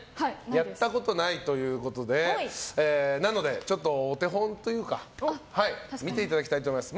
やったことないということでお手本というか見ていただきたいと思います。